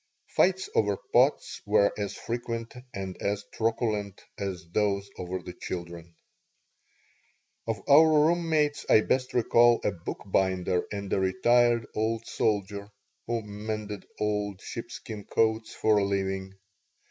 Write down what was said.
Fights over pots were as frequent and as truculent as those over the children Of our room mates I best recall a bookbinder and a retired old soldier who mended old sheepskin coats for a living.